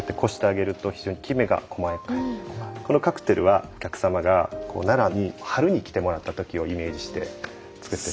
このカクテルはお客様が奈良に春に来てもらった時をイメージして作ってるんですね。